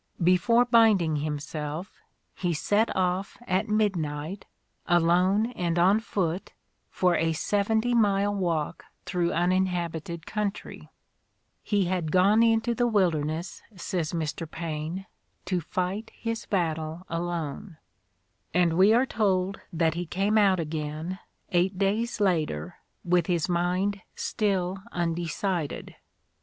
Before binding himself he set off at mid night, alone and on foot, for a seventy mile walk through uninhabited country: "He had gone into the wilder ness," says Mr. Paine, "to fight his battle alone"; and we are told that he came out again eight days later with his mind still undecided.